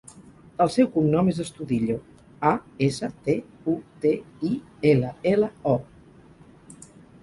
El seu cognom és Astudillo: a, essa, te, u, de, i, ela, ela, o.